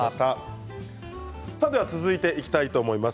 続いていきたいと思います。